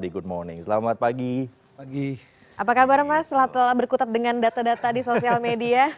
di good morning selamat pagi apa kabar mas telah berkutat dengan data data di sosial media